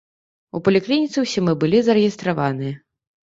У паліклініцы ўсе мы былі зарэгістраваныя.